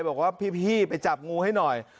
บอกว่าพี่ไปจับงูให้หน่อย